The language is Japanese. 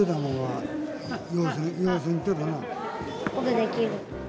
僕できる。